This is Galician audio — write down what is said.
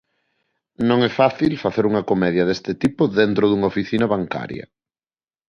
Non é fácil facer unha comedia deste tipo dentro dunha oficina bancaria.